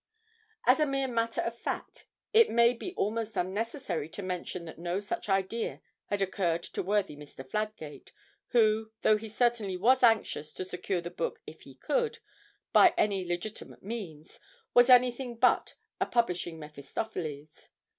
As a mere matter of fact, it may be almost unnecessary to mention that no such idea had occurred to worthy Mr. Fladgate, who, though he certainly was anxious to secure the book if he could, by any legitimate means, was anything but a publishing Mephistopheles.